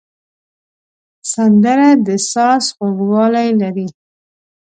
سندره د ساز خوږوالی لري